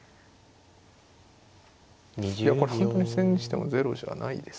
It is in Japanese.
いやこれ本当に千日手もゼロじゃないですね。